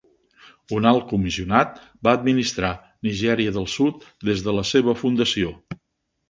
Un alt comissionat va administrar Nigèria del Sud des de la seva fundació.